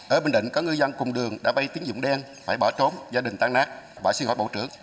ở bình định có ngư dân cùng đường đã bay tiếng dụng đen phải bỏ trốn gia đình tan nát bỏ xin hỏi bộ trưởng